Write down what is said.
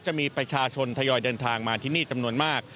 จะมีประชาชนทยอยเดินทางมาที่นี่จำนวนมาก